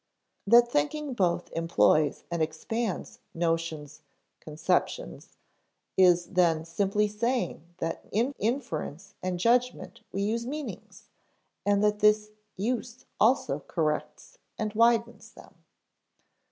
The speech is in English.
That thinking both employs and expands notions, conceptions, is then simply saying that in inference and judgment we use meanings, and that this use also corrects and widens them.